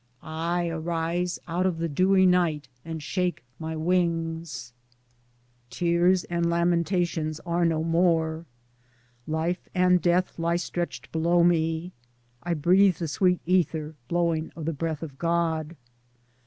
I arise out of the dewy night and shake my wings. Tears and lamentations are no more. Life and death lie stretched below me. I breathe the sweet aether blowing of the breath of God.